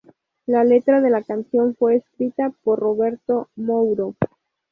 La letra de la canción fue escrita por Roberto Mouro.